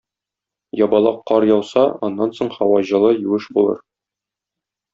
Ябалак кар яуса, аннан соң һава җылы, юеш булыр.